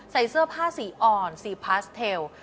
ใส่เสื้อผ้าสีอ่อนสีพาสเทล